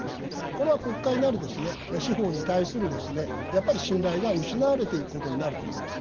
これは国会なり司法に対するやっぱり信頼が失われていくことになると思います。